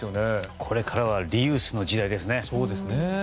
これからはリユースの時代ですね。